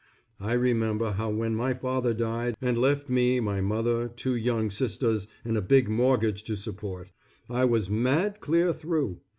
I remember how when my father died and left me my mother, two young sisters, and a big mortgage to support. I was mad clear through.